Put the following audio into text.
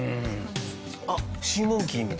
あっシーモンキーみたいなやつだ。